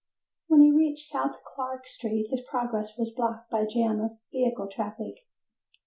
When he reached South Clark Street, his progress was blocked by a jam of vehicle traffic.